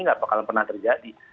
tidak akan pernah terjadi